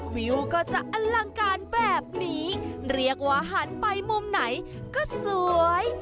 วิวก็จะอลังการแบบนี้เรียกว่าหันไปมุมไหนก็สวย